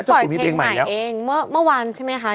ปล่อยเพลงใหม่เองเมื่อวานใช่ไหมคะ